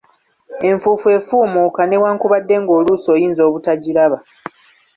Enfuufu efumuuka, newankubadde ng'oluusi oyinza obutagiraba.